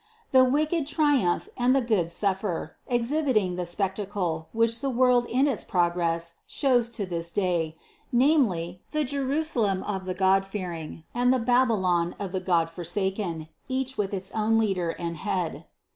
The wicked triumph and the good suffer, exhibiting the spectacle, which the world in its progress shows to this day, namely, the Jerusalem of the godfearing and the Babylon of the godforsaken, each with its own leader and head.